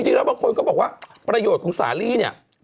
จริงแล้วบางคนก็บอกว่าประโยชน์ของสาลีเนี่ย